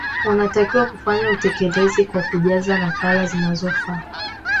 unatakiwa kufanya utekelezaji kwa kujaza nakala zinazofaa